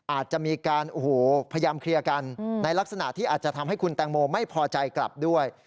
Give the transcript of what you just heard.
อาจจะมีการโอ้โหพยายามเคลียร์กันในลักษณะที่อาจจะทำให้คุณแตงโมไม่พอใจกลับด้วย